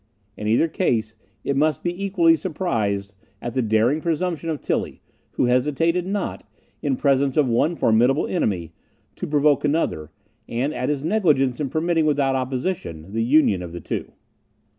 In either case, we must be equally surprised at the daring presumption of Tilly, who hesitated not, in presence of one formidable enemy, to provoke another; and at his negligence in permitting, without opposition, the union of the two.